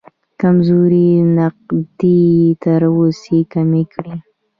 کمزورې نقطې یې تر وسې کمې کړې.